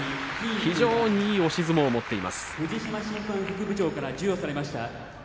非常にいい相撲を持っています。